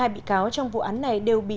một mươi hai bị cáo trong vụ án này đều bị